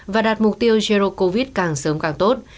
và đạt mục tiêu covid càng sớm càng tốt